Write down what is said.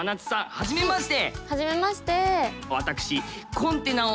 はじめまして。